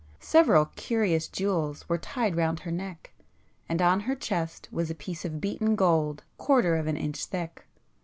Several curious jewels were tied round her neck, and on her chest was a piece of beaten gold quarter of an inch thick.